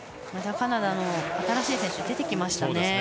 またカナダの新しい選手出てきましたね。